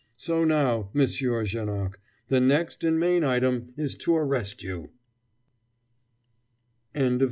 So now, Monsieur Janoc, the next and main item is to arrest you!"